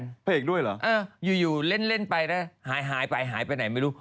พี่สุดพระเอกด้วยเหรออื้ออยู่เล่นไปมันหายไปหายไปไหนไม่รู้